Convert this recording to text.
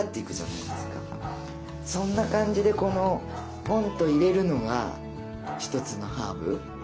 そんな感じでこのポンと入れるのが一つのハーブ。